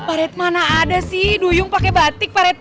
pak retik mana ada sih duyung pakai batik pak retik